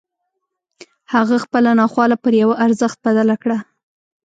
هغه خپله ناخواله پر يوه ارزښت بدله کړه.